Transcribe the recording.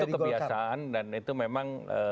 itu kebiasaan dan itu memang